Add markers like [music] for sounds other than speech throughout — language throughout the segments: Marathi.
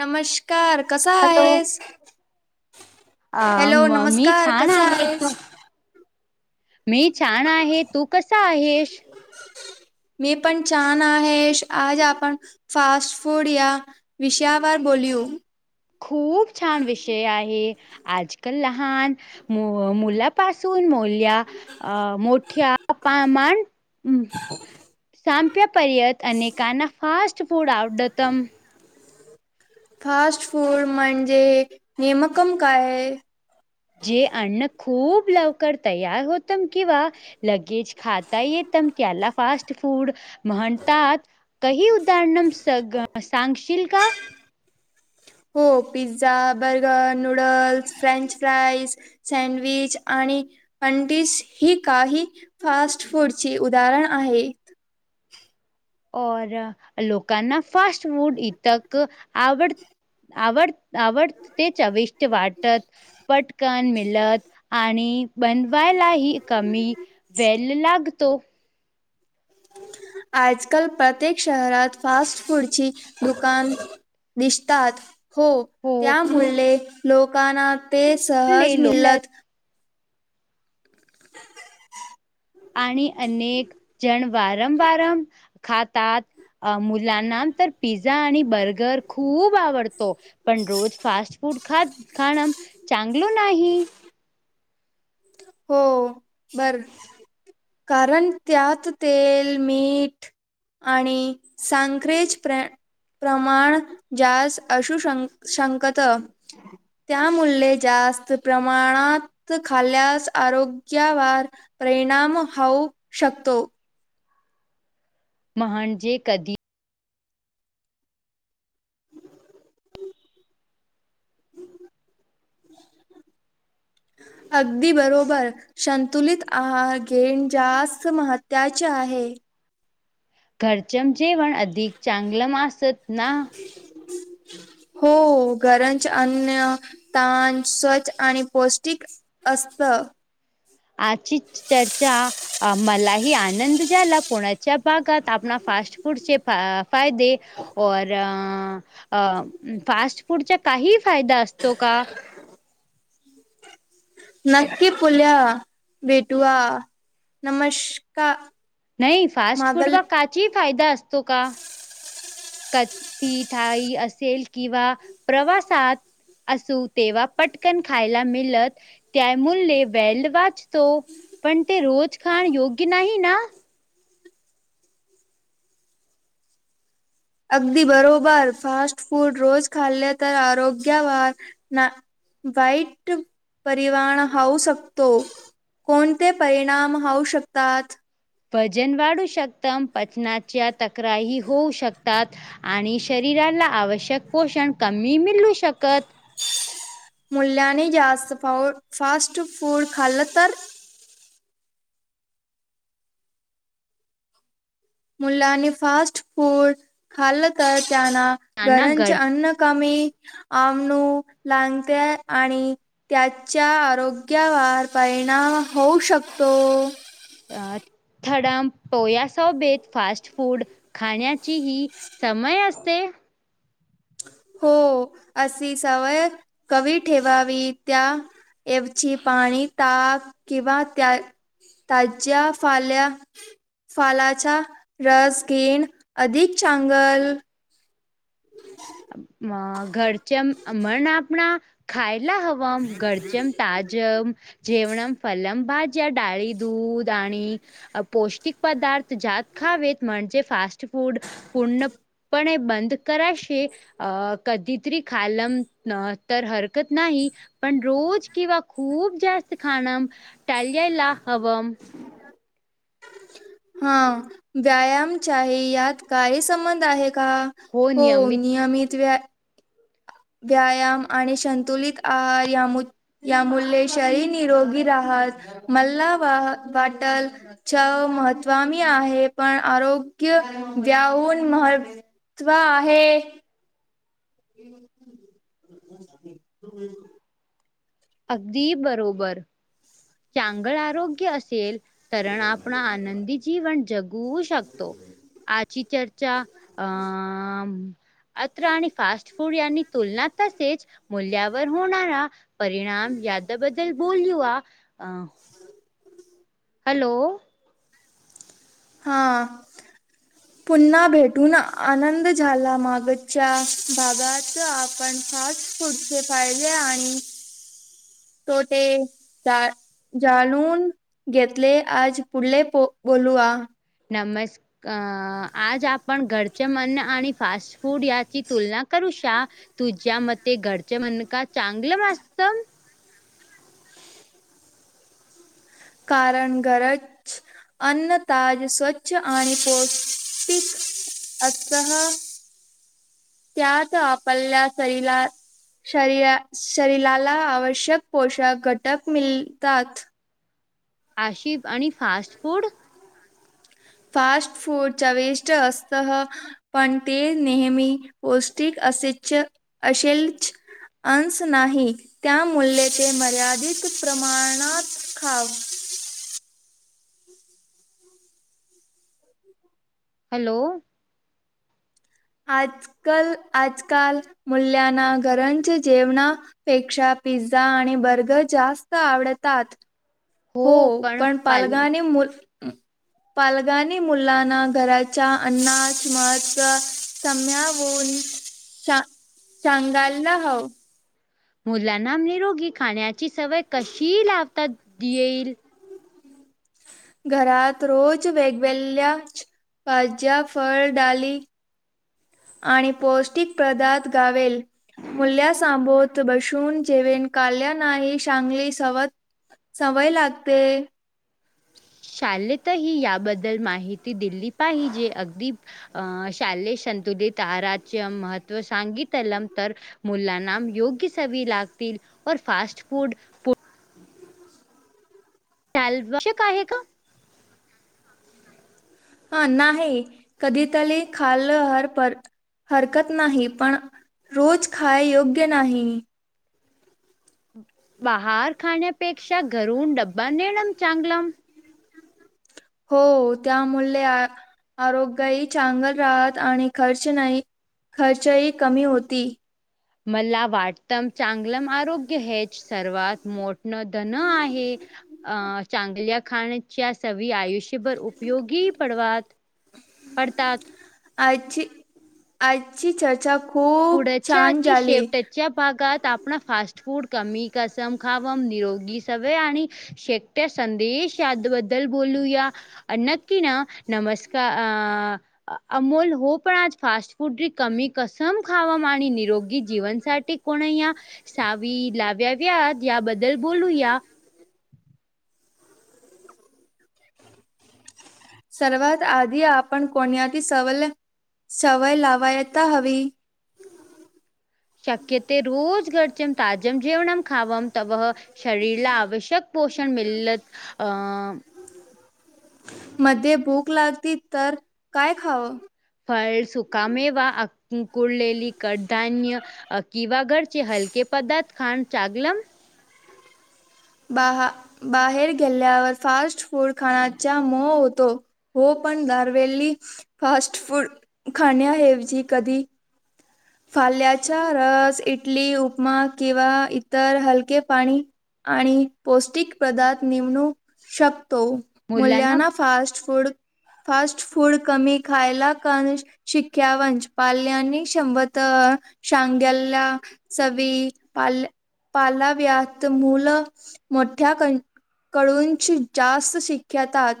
नमशकार कसा? हॅलो आहेस. हॅलो अ मी नमस्कार छान कसा? आहे तू आहेस. मी छान आहे. तू कसा? आहेस. मी पण छान आहेस. आज आपण फास्ट फूड या विषयावर बोलू. खूप छान विषय आहे. आज कल लहान मुलापासून मुलं या अ मोठ्या प्रमाण संपेपर्यंत अनेकांना फास्ट फूड आवडतं. फास्ट फूड म्हणजे नेमकं काय? जे अन्न खूप लवकर तयार होतम किंवा लगेच खाता येतं त्याला फास्ट फूड म्हणतात. कही उदाहरन सग सांगशील का? हो pizza, burger, noodles, French fries. Sandwich आणि पॅंटीस ही काही फास्ट फूडची उदाहरण आहे. और लोकांना फास्ट फूड इतक आवड आवड आवडत ते चविष्ट वाटत. पटकन मीलत आणि बनवायला ही कमी वेलल लागतो. आज काल प्रत्येक शहरात फास्ट पुढची दुकान दिशतात. हो तयामुले लोकांना ते सहज ले मिदत आणि अनेक जण वारंवारम खातात. अ मुलांना ते पिझ्झा आणि बर्गर खूप आवडतं. हो पण रोज फास्ट फूड खात खाणं चांगलं नाही. हो बर कारण त्यात तेल, मीठ आणि संक्रिज ट्रेन. प्रमाण जास्त अशु डोकत तयामुले जास्त प्रमाणात खाल्ल्यास. आरोग्यावर प्रेरणाम होऊ शकतो. म्हणजे कधी? [unintelligible] अगदी बरोबर. शतुइत आहार घेईन जास्त महत्त्वाचं आहे. कारण जिंजी पण चांगलं मस्त ना. हो गरज अन्न तान स्वच्छ पौष्टिक असतं. आजचिछ चर्चा आ मलाही आनंद झाला कुणाच्या बाकात कुणाचा फास्ट. फूडचे फायदे और. अ फास्ट फूडचा काही फायदा असतो का. [inaudible] नक्की पुल्या भेटूआ नमस्कार! नाही फास्ट फूड मागल व काचीही फायदा असतो का. कथी थाई असेल किंवा प्रवासात. प्रवासात असू तेव्हा पटकन खायला मिळत त्या मुल वेल वाच. पण ते रोज खाण योग्य नाही ना. अगदी बरोबर फास्ट फूड रोज खाल्ले तर आरोग्या वर. वाईट परिमाण हाऊ शकतो. कोणते परिणाम होवू शकतात. वजन वाढू शकत पचनाच्या तक्रारी होऊ शकतात. आणि शरीराला आवश्यक पोषण कमी मिळू शकत. मूल्याने जास्त फ फास्ट फूड खाल्लं तर मुलांनी फास्ट फूड खाल्लं तर त्यांना नाना घरांचे घर अन्न कमी आमणू लागते आणि त्याच्या आरोग्यावर परिणाम होऊ शकतो. अ थडाम पोया सोबेत फास्ट फूड खाण्याची हि समय असते. हो अशी सवय कमी ठेवावी त्या एवची पाणी ताक किंवा त्या ताज्या पाल्या फालाचा रस अधीक चांगल. [inaudible] अ घरचेम [unintelligible] मरण आपणा खायला हव [unintelligible] डाळी दूध आणि पौष्टिक पदार्थ ज्यात खावेत म्हणजे फास्ट फूड पूर्णपणे बंद कराशे अ कधीतरी [unintelligible] तर हरकत नाही. पण रोज किंवा खूप जास्त खाण टाळ्यायला हवं. हा व्यायामचाही यात काही संबंध आहे का. हो नियमित व्या व्यायाम आणि संतुलित आहार यामु यामुळे शरीर निरोगी राहत मल्ला वा वाटल [unintelligible] आरोग्य याहून मह तव आहे. [unintelligible] अगदी बरोबर. चांगळ आरोग्य असेल तर आपण आनंदी जीवन जगू शकतो. आजी चर्चा अ अत्र‌ आणि फास्ट फूड यांनी तुलना तसेेच मूल्यावर होणारा परिणाम याच्याबद्दल बोलू अ. हॅलो. हा. [inaudible] पुन्हा भेटून आनंद झाला मागच्या भागात आपण फास्ट फ्रूट चे फायदे आणि तो ते जा जाणून घेतले आज पुढले प बोलू आ नमस् अं आज आपण घरचे अन्न आणि फास्ट फूड याची तुलना करू शा तुझ्या मते घरचं म्हणण का चांगलं मास्त? कारण गरज अन्न ताज स्वच्छ आणि पौष्टिक [unintelligible] शरीरा शरीराला आवश्यक पोषाक घटक मिलतात. आशिफ आणि फास्ट फूड. फास्ट फूड चवीष्ट अस्तह. पण ते नेहमी पौष्टिक असेच असेलच. अंस नाही त्या मुले ते मर्यादित प्रमाणात खा. हॅलो. आजकल आजकाल मूल्यना घरंज जेवणा. पेक्षा पिझ्झा आणि बर्गर जास्त आवडतात. हो पण पाल मुलं [inaudible] पालगानी मुलांना घराचां अन्ना [unintelligible] सम्या होऊन चांगाला हव. मुलांना निरोगी खाण्याची, सवय कशी लावता दे येईल. घरात रोज वेगवेल्या भाज्या फळ डाली. आणि पौष्टिक पदार्थ गावेल. मुल्या सांबवत बसून जेवेण काल्या नाही चांगली सवत. सवय लागते. शालेत ही याबद्दल माहिती दिली पाहिजे अगदी. अ.. शाले संतुलित आहराच्य महत्व सांगितल नंतर. मुलांना योग्य सवीय लागतील फास्ट फूड. काल वश्यक आहे गं. ह.. नाही कधी तरी खाल्लं, हर हरकत नाही पण. रोज खाय योग्य नाही. बाहार खाण्यापेक्षा घरून डब्बा नेणम चांगल. हो त्यामुळे. आरोग्यही चांगल राहात. आणि खर्च नाही खर्चही कमी होती. मला वाटतम चांगलं आरोग्य हेच, सर्वात मोठणं धन आहे. अ चांगल्या खाण्याच्या सवी आयुष्यभर उपयोगी पडवात. पडतात. आजची आजची चर्चा खूप छान झाली. च्या भागात आपण फास्ट फूड कमी कसम खावम निरोगी सवळे आणि, शेकट्या संदेश याद बद्दल बोलूया. नक्की ना नमस्कार अ. अमोल हो पण आज फास्ट फूड कमी कसं. समखावाम आणि निरोगी जीवनसाठी कोण या. सावी लाव्याव्या याबद्दल बोलू या. सर्वात आधी आपण कोण त सवल सवय लावायता हवी. शक्यते रोज घर्च्याम ताजम जेवणम खावाम तव. शरीरला आवश्यक पोषण मिळलत अं. मध्ये भूक लागती, तर काय खावं. फळ सुखामेव अ कुळलेली कडधान्य. अ हलके पदार्थ खाण चांगलम. बाहेर गेल्यावर फास्ट फूड खाण्याचा मोह होतो. हो पण दरवेली फास्ट फूड खाण्याऐवजी कधी. फाल्याचा रस इटली उपमा किंवा इतर हलके पाणी आणि पौष्टिक पदार्थ निवडू शकतो. मुलांना मुल्यांना फास्ट फूड फास्ट फूड कमी खायला कण शिक्यावश पाल्यानी शंभर तर शांग्याला चवी पा पालाव्यात मुल मोठ्या क कळूूनची जास्त शिकिकेतात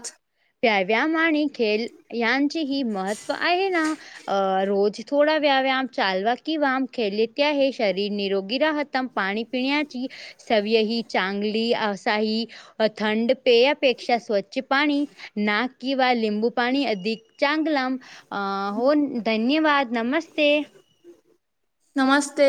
व्यायाम आणि खेळ यांचे ही महत्त्व आहे ना. अ रोज थोडा व्या व्याम चालवा कीवा आम खेले त्या हे शरीर निरोगी राहत. एकदम पाणी पिण्याची सवही चांगली असाही अ थंड पेयापेक्षा स्वच्छ पाणी नाक किंवा लिंबू पाणी अधिक चांग लांब. अ हो धन्यवाद नमस्ते. नमस्ते.